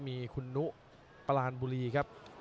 มีคุณนุปรานบุรีครับ